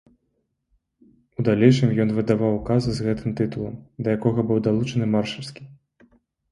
У далейшым ён выдаваў указы з гэтым тытулам, да якога быў далучаны маршальскі.